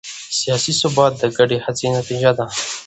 سیاسي ثبات د ګډې هڅې نتیجه ده